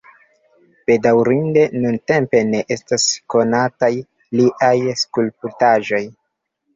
Bedaŭrinde nuntempe ne estas konataj liaj skulptaĵoj.